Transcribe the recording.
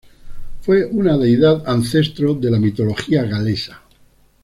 Fue una deidad ancestro de la mitología galesa.